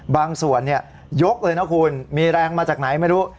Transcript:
บางส่วนยกเลยนะคุณมีแรงมาจากไหนไม่รู้